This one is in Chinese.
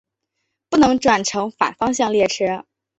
不能转乘反方向列车。